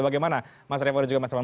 bagaimana mas revo dan juga mas teman